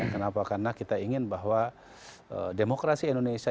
kenapa karena kita ingin bahwa demokrasi indonesia